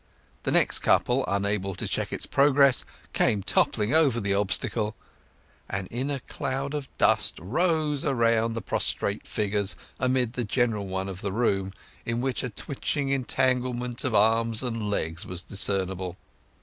The next couple, unable to check its progress, came toppling over the obstacle. An inner cloud of dust rose around the prostrate figures amid the general one of the room, in which a twitching entanglement of arms and legs was discernible.